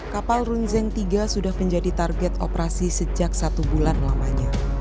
kapal run zeng tiga sudah menjadi target operasi sejak satu bulan lamanya